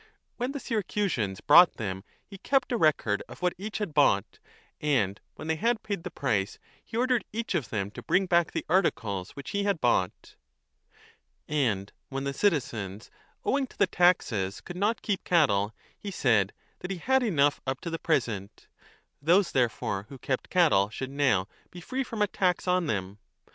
When the Syracusans bought them, he kept a record of what each had bought, 5 and when they had paid the price, he ordered each of them to bring back the articles which he had bought. And when the citizens owing to the taxes could not keep cattle, he said that he had enough up to the present ; those therefore who kept cattle should now.be free from a tax on them.